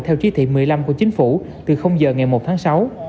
theo chí thị một mươi năm của chính phủ từ giờ ngày một tháng sáu